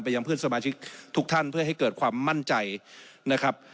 ยังเพื่อนสมาชิกทุกท่านเพื่อให้เกิดความมั่นใจนะครับ